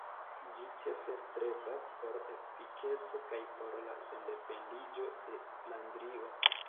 Ĝi ĉefe strebas por efikeco kaj por la sendependiĝo de Flandrio.